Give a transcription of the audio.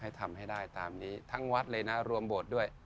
ทำให้ได้ตามนี้ทั้งวัดเลยนะรวมโบสถ์ด้วย